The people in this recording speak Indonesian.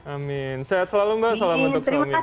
amin sehat selalu mbak salam untuk selama lamanya dulu